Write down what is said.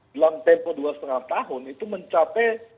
dalam tempo dua lima tahun itu mencapai